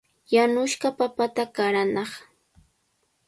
Yanushqa papata qaranaaq.